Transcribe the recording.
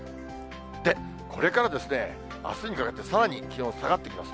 で、これからですね、あすにかけて、さらに気温、下がってきます。